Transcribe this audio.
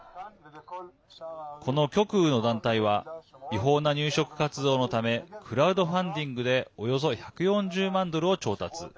この極右の団体は違法な入植活動のためクラウドファンディングでおよそ１４０万ドルを調達。